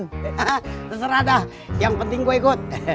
hahaha terserah dah yang penting gue ikut